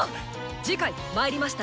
次回「魔入りました！